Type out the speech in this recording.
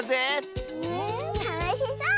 たのしそう！